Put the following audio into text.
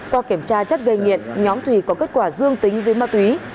qua kiểm tra chất gây nghiện nhóm thùy có kết quả dương tính với ma túy